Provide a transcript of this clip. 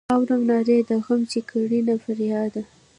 اورم نارې د غم چې کړینه فریاد.